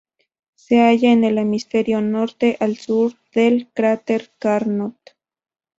Se halla en el hemisferio norte, al sur del cráter Carnot.